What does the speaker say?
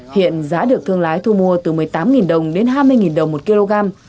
hiện giá được thương lái thu mua từ một mươi tám đồng đến hai mươi đồng một kg